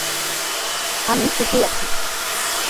আমি সুখেই আছি।